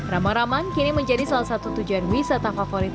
ramang ramang kini menjadi salah satu tujuan wisata favorit